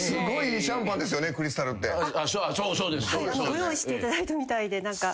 ご用意していただいたみたいで。